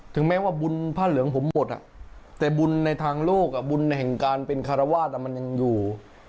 ถึงแม้ว่าบุญผ้าเหลืองผมหมดแต่บุญในทางโลกบุญแห่งการเป็นคารวาสมันยังอยู่